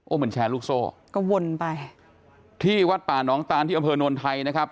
มันแชร์ลูกโซ่ก็วนไปที่วัดป่านองตานที่อำเภอนวลไทยนะครับ